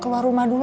keluar rumah dulu